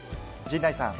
陣内さん。